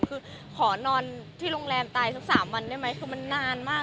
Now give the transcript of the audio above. คือขอนอนที่โรงแรมตายสัก๓วันได้ไหมคือมันนานมาก